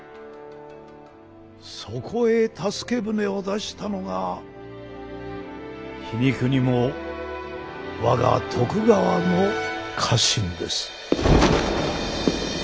そこへ助け船を出したのが皮肉にも我が徳川の家臣です。